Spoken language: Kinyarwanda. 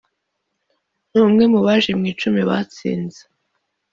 ni umwe mu baje mu icumi batsinze